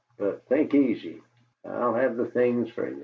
But think easy; I'll have the things fer ye.